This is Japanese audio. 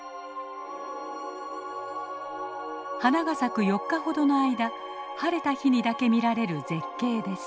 花が咲く４日ほどの間晴れた日にだけ見られる絶景です。